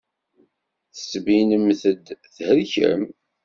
Tettbinem-d thelkem.